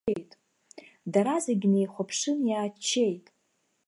Дара зегьы неихәаԥшын иааччеит.